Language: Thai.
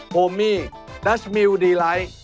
โมมี่ดัชมิวดีไลท์